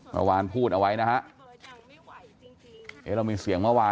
เมื่อวานพูดเอาไว้นะฮะ